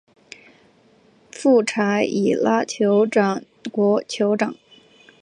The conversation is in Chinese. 富查伊拉酋长国酋长